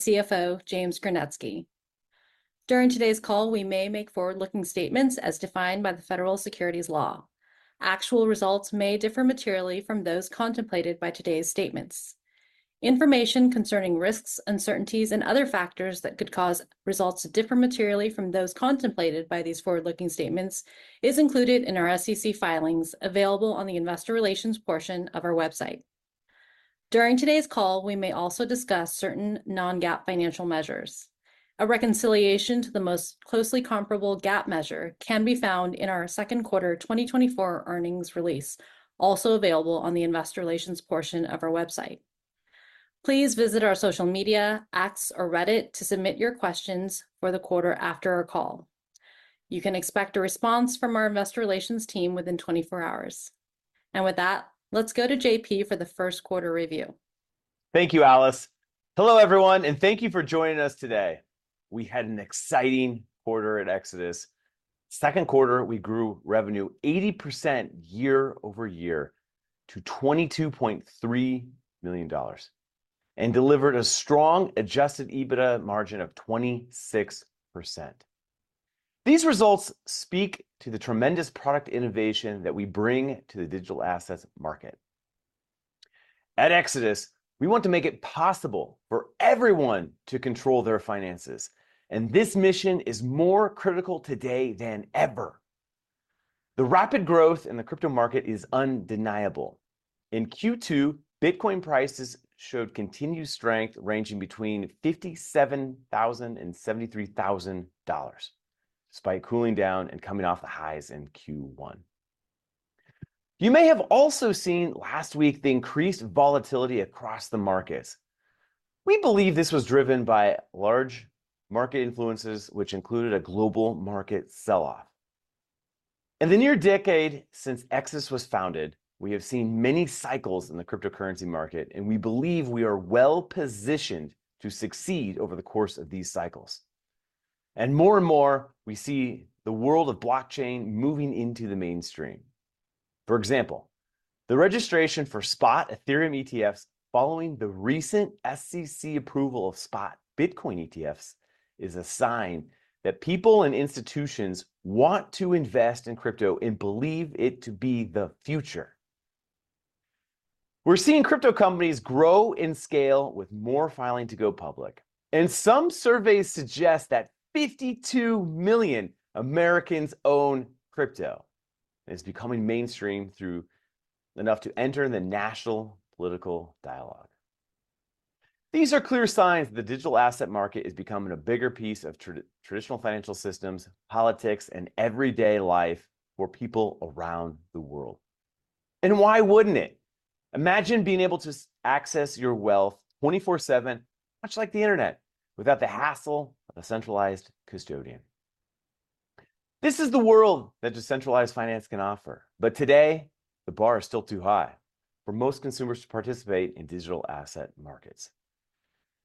CFO, James Gernetzke. During today's call, we may make forward-looking statements as defined by the federal securities law. Actual results may differ materially from those contemplated by today's statements. Information concerning risks, uncertainties, and other factors that could cause results to differ materially from those contemplated by these forward-looking statements is included in our SEC filings, available on the investor relations portion of our website. During today's call, we may also discuss certain non-GAAP financial measures. A reconciliation to the most closely comparable GAAP measure can be found in our second quarter 2024 earnings release, also available on the investor relations portion of our website. Please visit our social media, X or Reddit, to submit your questions for the quarter after our call. You can expect a response from our investor relations team within 24 hours. With that, let's go to JP for the first quarter review. Thank you, Alice. Hello, everyone, and thank you for joining us today. We had an exciting quarter at Exodus. Second quarter, we grew revenue 80% year-over-year to $22.3 million, and delivered a strong Adjusted EBITDA margin of 26%. These results speak to the tremendous product innovation that we bring to the digital assets market. At Exodus, we want to make it possible for everyone to control their finances, and this mission is more critical today than ever. The rapid growth in the crypto market is undeniable. In Q2, Bitcoin prices showed continued strength, ranging between $57,000 and $73,000, despite cooling down and coming off the highs in Q1. You may have also seen last week the increased volatility across the markets. We believe this was driven by large market influences, which included a global market sell-off. In the near decade since Exodus was founded, we have seen many cycles in the cryptocurrency market, and we believe we are well-positioned to succeed over the course of these cycles. More and more, we see the world of blockchain moving into the mainstream. For example, the registration for Spot Ethereum ETFs following the recent SEC approval of Spot Bitcoin ETFs is a sign that people and institutions want to invest in crypto and believe it to be the future. We're seeing crypto companies grow in scale, with more filing to go public, and some surveys suggest that 52 million Americans own crypto, and it's becoming mainstream through enough to enter the national political dialogue. These are clear signs the digital asset market is becoming a bigger piece of traditional financial systems, politics, and everyday life for people around the world. Why wouldn't it? Imagine being able to access your wealth 24/7, much like the internet, without the hassle of a centralized custodian. This is the world that decentralized finance can offer, but today, the bar is still too high for most consumers to participate in digital asset markets.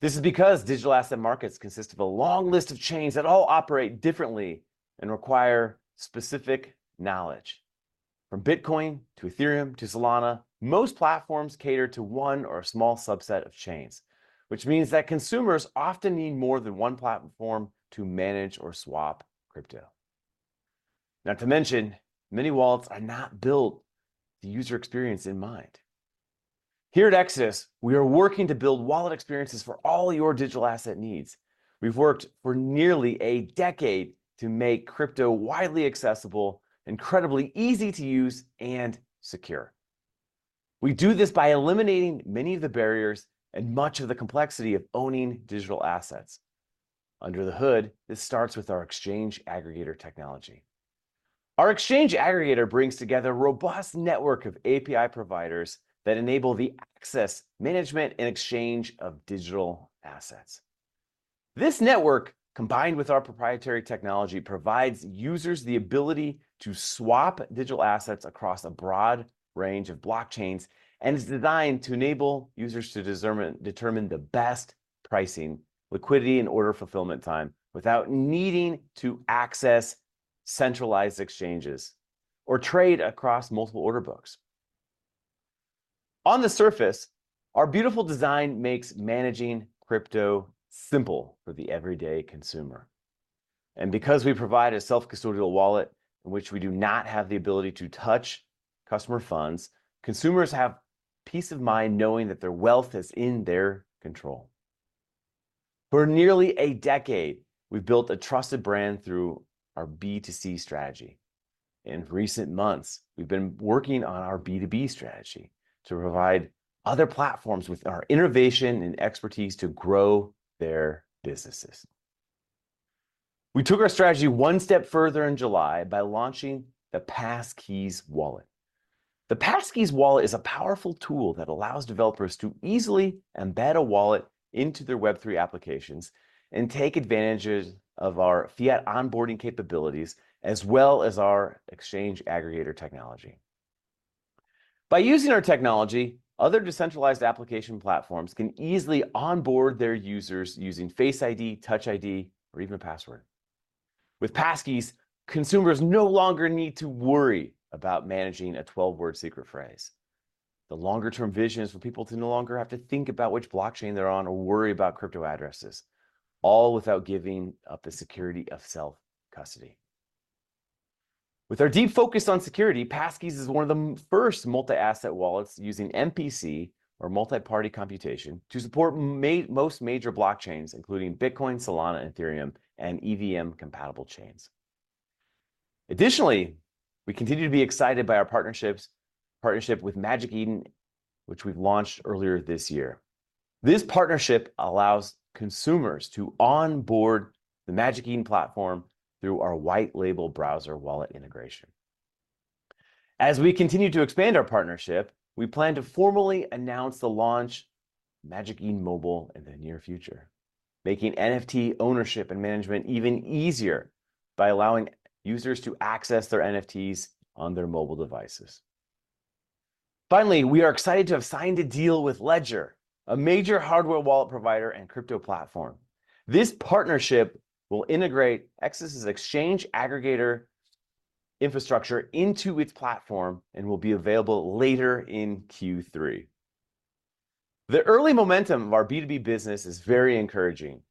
This is because digital asset markets consist of a long list of chains that all operate differently and require specific knowledge. From Bitcoin, to Ethereum, to Solana, most platforms cater to one or a small subset of chains, which means that consumers often need more than one platform to manage or swap crypto. Not to mention, many wallets are not built with the user experience in mind. Here at Exodus, we are working to build wallet experiences for all your digital asset needs. We've worked for nearly a decade to make crypto widely accessible, incredibly easy to use, and secure. We do this by eliminating many of the barriers and much of the complexity of owning digital assets. Under the hood, this starts with our exchange aggregator technology. Our exchange aggregator brings together a robust network of API providers that enable the access, management, and exchange of digital assets. This network, combined with our proprietary technology, provides users the ability to swap digital assets across a broad range of blockchains, and is designed to enable users to determine the best pricing, liquidity, and order fulfillment time without needing to access centralized exchanges or trade across multiple order books. On the surface, our beautiful design makes managing crypto simple for the everyday consumer. And because we provide a self-custodial wallet in which we do not have the ability to touch customer funds, consumers have peace of mind knowing that their wealth is in their control. For nearly a decade, we've built a trusted brand through our B2C strategy. In recent months, we've been working on our B2B strategy to provide other platforms with our innovation and expertise to grow their businesses. We took our strategy one step further in July by launching the Passkeys Wallet. The Passkeys Wallet is a powerful tool that allows developers to easily embed a wallet into their Web3 applications and take advantages of our fiat onboarding capabilities, as well as our exchange aggregator technology. By using our technology, other decentralized application platforms can easily onboard their users using Face ID, Touch ID, or even a password. With Passkeys, consumers no longer need to worry about managing a 12-word secret phrase. The longer-term vision is for people to no longer have to think about which blockchain they're on or worry about crypto addresses, all without giving up the security of self-custody. With our deep focus on security, Passkeys is one of the first multi-asset wallets using MPC, or multi-party computation, to support most major blockchains, including Bitcoin, Solana, Ethereum, and EVM-compatible chains. Additionally, we continue to be excited by our partnership with Magic Eden, which we've launched earlier this year. This partnership allows consumers to onboard the Magic Eden platform through our white label browser wallet integration. As we continue to expand our partnership, we plan to formally announce the launch of Magic Eden Mobile in the near future, making NFT ownership and management even easier by allowing users to access their NFTs on their mobile devices. Finally, we are excited to have signed a deal with Ledger, a major hardware wallet provider and crypto platform. This partnership will integrate Exodus' exchange aggregator infrastructure into its platform and will be available later in Q3. The early momentum of our B2B business is very encouraging.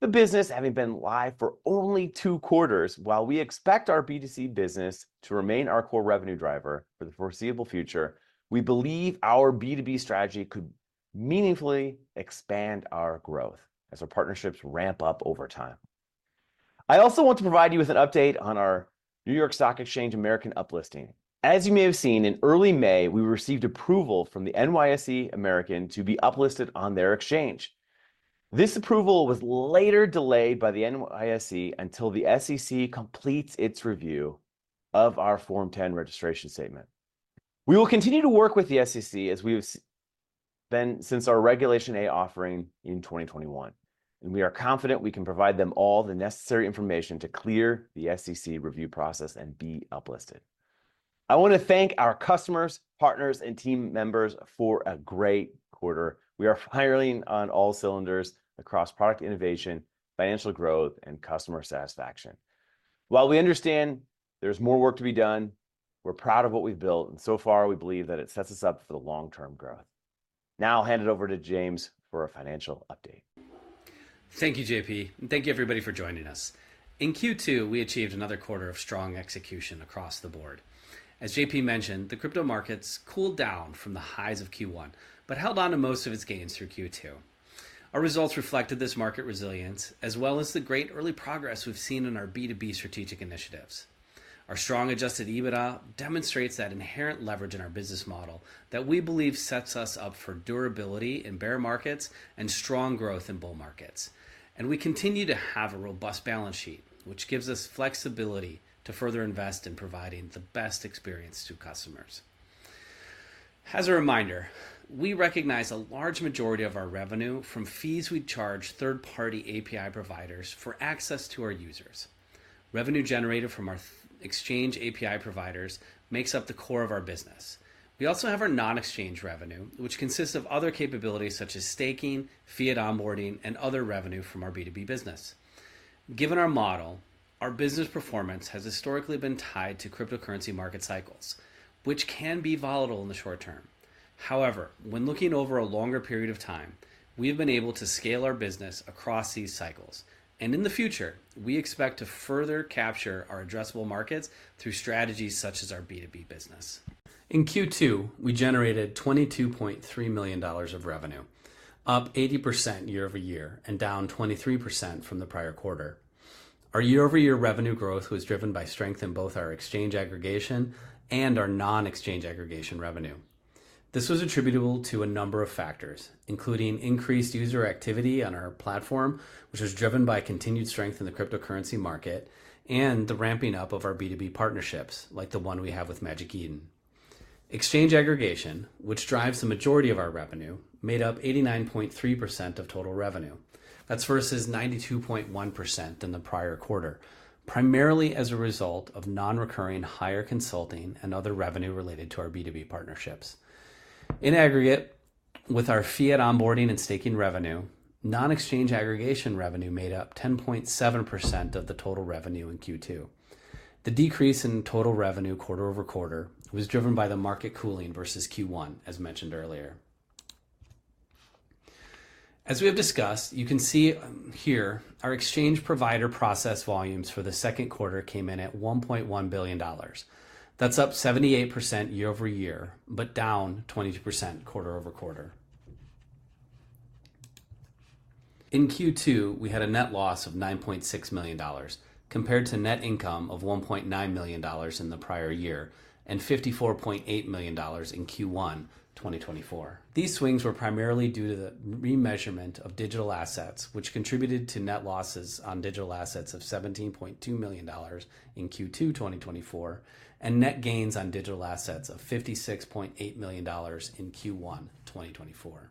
The business having been live for only two quarters, while we expect our B2C business to remain our core revenue driver for the foreseeable future, we believe our B2B strategy could meaningfully expand our growth as our partnerships ramp up over time. I also want to provide you with an update on our NYSE American uplisting. As you may have seen, in early May, we received approval from the NYSE American to be uplisted on their exchange. This approval was later delayed by the NYSE until the SEC completes its review of our Form 10 registration statement. We will continue to work with the SEC, as we have been since our Regulation A offering in 2021, and we are confident we can provide them all the necessary information to clear the SEC review process and be uplisted. I wanna thank our customers, partners, and team members for a great quarter. We are firing on all cylinders across product innovation, financial growth, and customer satisfaction. While we understand there's more work to be done, we're proud of what we've built, and so far, we believe that it sets us up for the long-term growth. Now I'll hand it over to James for a financial update. Thank you, JP, and thank you, everybody, for joining us. In Q2, we achieved another quarter of strong execution across the board. As JP mentioned, the crypto markets cooled down from the highs of Q1 but held on to most of its gains through Q2. Our results reflected this market resilience, as well as the great early progress we've seen in our B2B strategic initiatives. Our strong Adjusted EBITDA demonstrates that inherent leverage in our business model that we believe sets us up for durability in bear markets and strong growth in bull markets. And we continue to have a robust balance sheet, which gives us flexibility to further invest in providing the best experience to customers. As a reminder, we recognize a large majority of our revenue from fees we charge third-party API providers for access to our users. Revenue generated from our the exchange API providers makes up the core of our business. We also have our non-exchange revenue, which consists of other capabilities such as staking, fiat onboarding, and other revenue from our B2B business. Given our model, our business performance has historically been tied to cryptocurrency market cycles, which can be volatile in the short term. However, when looking over a longer period of time, we have been able to scale our business across these cycles, and in the future, we expect to further capture our addressable markets through strategies such as our B2B business. In Q2, we generated $22.3 million of revenue, up 80% year-over-year and down 23% from the prior quarter. Our year-over-year revenue growth was driven by strength in both our exchange aggregation and our non-exchange aggregation revenue. This was attributable to a number of factors, including increased user activity on our platform, which was driven by continued strength in the cryptocurrency market, and the ramping up of our B2B partnerships, like the one we have with Magic Eden. Exchange aggregation, which drives the majority of our revenue, made up 89.3% of total revenue. That's versus 92.1% in the prior quarter, primarily as a result of non-recurring higher consulting and other revenue related to our B2B partnerships. In aggregate, with our fiat onboarding and staking revenue, non-exchange aggregation revenue made up 10.7% of the total revenue in Q2. The decrease in total revenue quarter-over-quarter was driven by the market cooling versus Q1, as mentioned earlier. As we have discussed, you can see, here, our exchange provider process volumes for the second quarter came in at $1.1 billion. That's up 78% year-over-year, but down 22% quarter-over-quarter. In Q2, we had a net loss of $9.6 million, compared to net income of $1.9 million in the prior year and $54.8 million in Q1 2024. These swings were primarily due to the remeasurement of digital assets, which contributed to net losses on digital assets of $17.2 million in Q2 2024 and net gains on digital assets of $56.8 million in Q1 2024.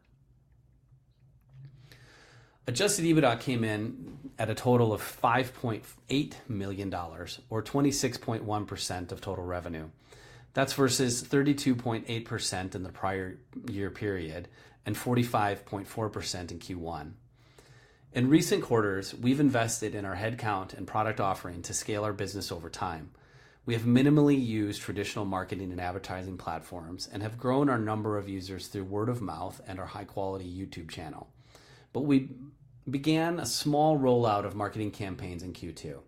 Adjusted EBITDA came in at a total of $5.8 million, or 26.1% of total revenue. That's versus 32.8% in the prior year period and 45.4% in Q1.... In recent quarters, we've invested in our headcount and product offering to scale our business over time. We have minimally used traditional marketing and advertising platforms, and have grown our number of users through word of mouth and our high-quality YouTube channel. But we began a small rollout of marketing campaigns in Q2.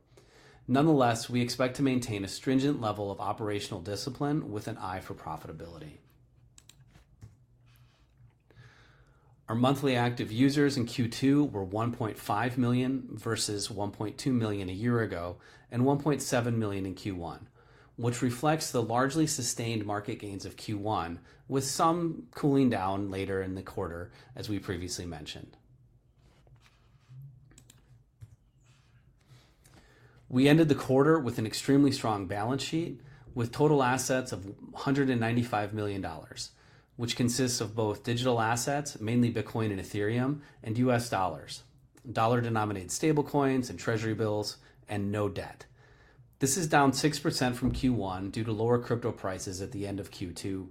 Nonetheless, we expect to maintain a stringent level of operational discipline with an eye for profitability. Our monthly active users in Q2 were 1.5 million versus 1.2 million a year ago, and 1.7 million in Q1, which reflects the largely sustained market gains of Q1, with some cooling down later in the quarter, as we previously mentioned. We ended the quarter with an extremely strong balance sheet, with total assets of $195 million, which consists of both digital assets, mainly Bitcoin and Ethereum, and US dollars, dollar-denominated stablecoins and Treasury bills, and no debt. This is down 6% from Q1, due to lower crypto prices at the end of Q2.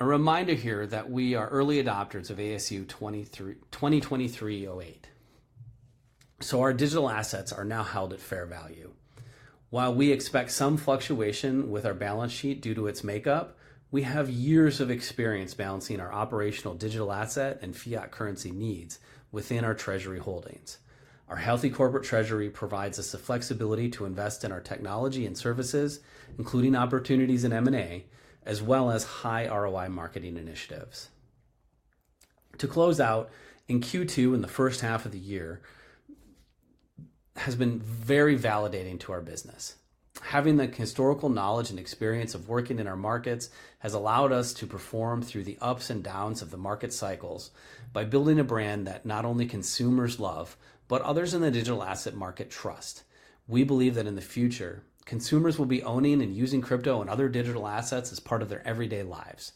A reminder here that we are early adopters of ASU 2023-08, so our digital assets are now held at fair value. While we expect some fluctuation with our balance sheet due to its makeup, we have years of experience balancing our operational digital asset and fiat currency needs within our treasury holdings. Our healthy corporate treasury provides us the flexibility to invest in our technology and services, including opportunities in M&A, as well as high ROI marketing initiatives. To close out, in Q2 and the first half of the year, has been very validating to our business. Having the historical knowledge and experience of working in our markets has allowed us to perform through the ups and downs of the market cycles by building a brand that not only consumers love, but others in the digital asset market trust. We believe that in the future, consumers will be owning and using crypto and other digital assets as part of their everyday lives.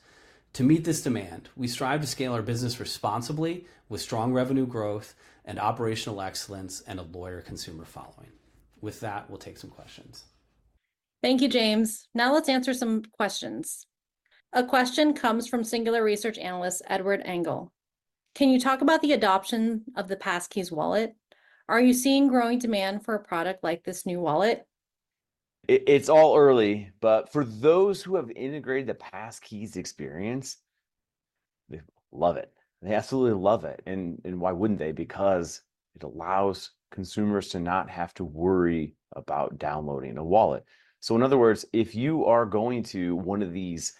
To meet this demand, we strive to scale our business responsibly, with strong revenue growth and operational excellence, and a loyal consumer following. With that, we'll take some questions. Thank you, James. Now let's answer some questions. A question comes from Singular Research analyst, Edward Engel: "Can you talk about the adoption of the Passkeys Wallet? Are you seeing growing demand for a product like this new wallet? It's all early, but for those who have integrated the Passkeys experience, they love it. They absolutely love it, and why wouldn't they? Because it allows consumers to not have to worry about downloading a wallet. So in other words, if you are going to one of these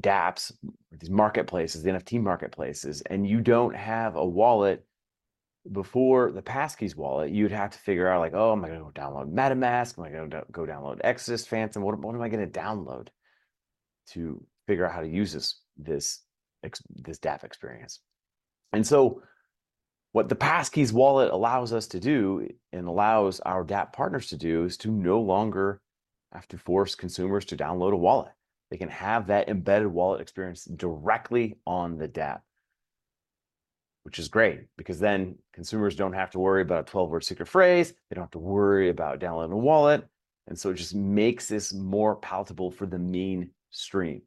dApps, or these marketplaces, the NFT marketplaces, and you don't have a wallet, before the Passkeys Wallet, you'd have to figure out, like, "Oh, am I gonna go download MetaMask? Am I gonna go download Exodus, Phantom? What am I gonna download to figure out how to use this dApp experience?" And so what the Passkeys Wallet allows us to do, and allows our dApp partners to do, is to no longer have to force consumers to download a wallet. They can have that embedded wallet experience directly on the dApp, which is great, because then consumers don't have to worry about a 12-word secret phrase, they don't have to worry about downloading a wallet, and so it just makes this more palatable for the mainstream.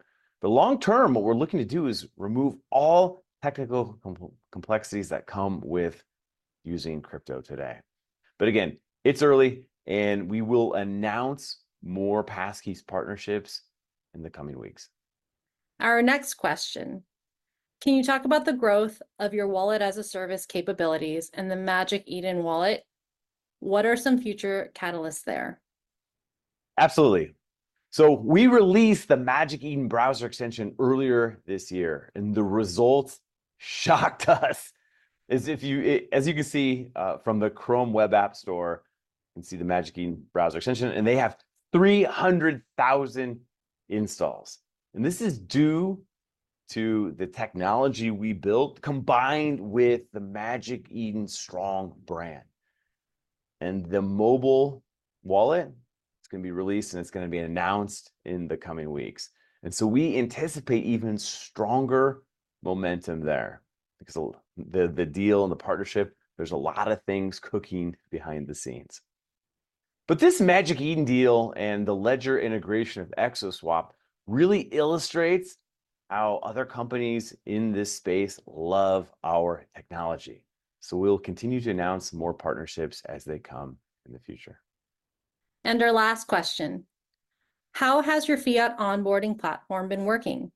The long term, what we're looking to do is remove all technical complexities that come with using crypto today. But again, it's early, and we will announce more Passkeys partnerships in the coming weeks. Our next question: "Can you talk about the growth of your Wallet-as-a-Service capabilities and the Magic Eden wallet? What are some future catalysts there? Absolutely. So we released the Magic Eden browser extension earlier this year, and the results shocked us. As you can see, from the Chrome Web Store, you can see the Magic Eden browser extension, and they have 300,000 installs. And this is due to the technology we built, combined with the Magic Eden strong brand. And the mobile wallet, it's gonna be released, and it's gonna be announced in the coming weeks. And so we anticipate even stronger momentum there, because the deal and the partnership, there's a lot of things cooking behind the scenes. But this Magic Eden deal and the Ledger integration of Exodus Swap really illustrates how other companies in this space love our technology. So we'll continue to announce more partnerships as they come in the future. Our last question: "How has your fiat onboarding platform been working?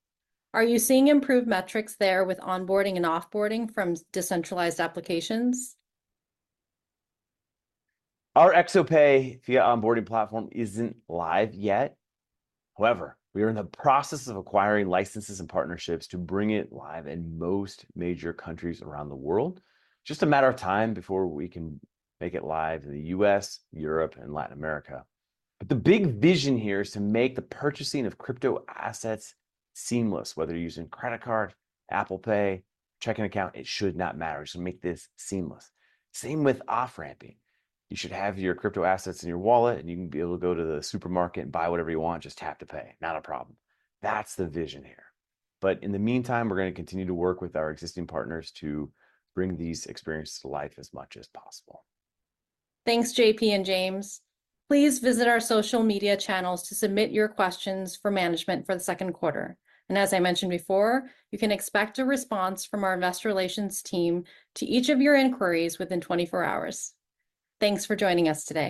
Are you seeing improved metrics there with onboarding and off-boarding from decentralized applications? Our ExoPay fiat onboarding platform isn't live yet. However, we are in the process of acquiring licenses and partnerships to bring it live in most major countries around the world. Just a matter of time before we can make it live in the U.S., Europe, and Latin America. But the big vision here is to make the purchasing of crypto assets seamless, whether you're using credit card, Apple Pay, checking account, it should not matter. Just make this seamless. Same with off-ramping. You should have your crypto assets in your wallet, and you can be able to go to the supermarket and buy whatever you want and just tap to pay. Not a problem. That's the vision here. But in the meantime, we're gonna continue to work with our existing partners to bring these experiences to life as much as possible. Thanks, JP and James. Please visit our social media channels to submit your questions for management for the second quarter. As I mentioned before, you can expect a response from our investor relations team to each of your inquiries within 24 hours. Thanks for joining us today.